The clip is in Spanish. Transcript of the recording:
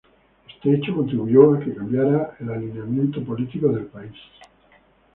Este hecho contribuyó a que cambiara el alineamiento político de "El País".